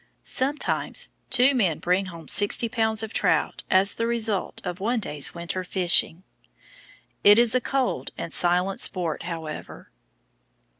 Sometimes two men bring home 60 lbs. of trout as the result of one day's winter fishing. It is a cold and silent sport, however.